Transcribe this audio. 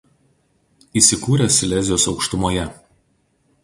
Įsikūręs Silezijos aukštumoje.